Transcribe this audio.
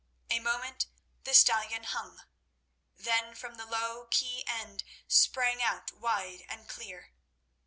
A moment the stallion hung, then from the low quay end sprang out wide and clear.